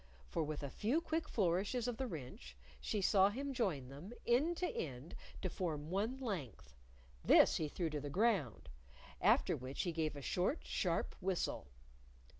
For with a few quick flourishes of the wrench, she saw him join them, end to end, to form one length. This he threw to the ground, after which he gave a short, sharp whistle.